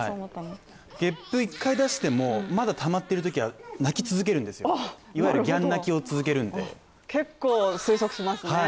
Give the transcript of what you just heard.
ゲップ１回出してもまたたまっているときは泣き続けるんですよ、いわゆるギャン泣きを続けるんで。